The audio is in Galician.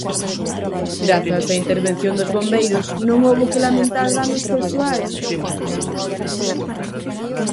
Grazas á intervención dos bombeiros, non houbo que lamentar danos persoais nin noutros inmobles.